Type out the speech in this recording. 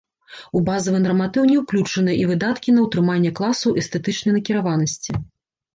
У базавы нарматыў не ўключаны і выдаткі на ўтрыманне класаў эстэтычнай накіраванасці.